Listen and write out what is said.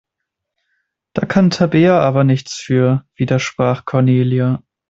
Da kann Tabea aber nichts für, widersprach Cornelia.